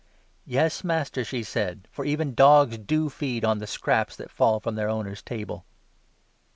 "Yes, Master," she said, "for even dogs do feed on the scraps 27 that fall from their owners' table.